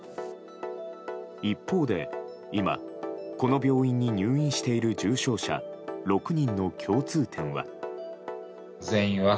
一方で、今この病院に入院している重症者６人の共通点は。